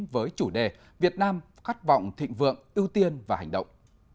với chủ đề việt nam khát vọng thịnh vượng ưu tiên và hành động